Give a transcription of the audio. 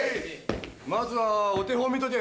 まずはお手本見といて。